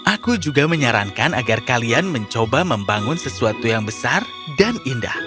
aku juga menyarankan agar kalian mencoba membangun sesuatu yang besar dan indah